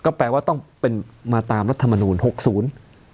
ก็แปลว่าต้องเป็นมาตรารัฐมนุน๖๐